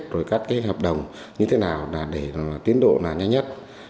rồi các cái hợp đồng như thế nào là để tiến độ là nhanh nhất